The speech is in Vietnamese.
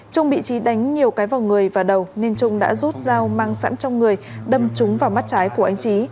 trung bị trí đánh nhiều cái vào người và đầu nên trung đã rút dao mang sẵn trong người đâm trúng vào mắt trái của anh trí